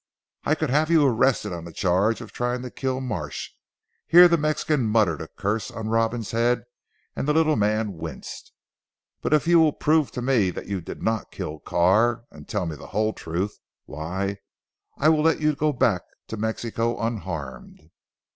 I could have you arrested on a charge of trying to kill Marsh," here the Mexican muttered a curse on Robin's head and the little man winced. "But if you will prove to me that you did not kill Carr and tell me the whole truth, why I will let you go back to Mexico unharmed."